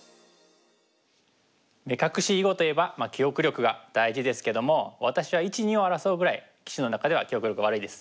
目隠し囲碁といえば記憶力が大事ですけども私は１２を争うぐらい棋士の中では記憶力悪いです。